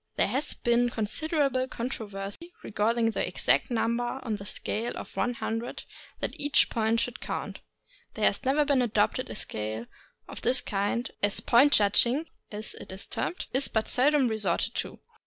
There% has been considerable controversy regarding the exact number on the scale of 100 that each point should count. There has never been adopted a scale of this kind, as "point judging," as it is termed, is but seldom resorted to.